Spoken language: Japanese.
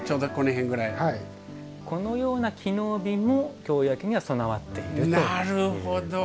このような機能美も京焼には備わっていると。